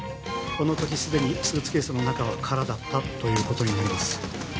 この時既にスーツケースの中は空だったということになります